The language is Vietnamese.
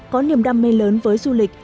có niềm đam mê lớn với du lịch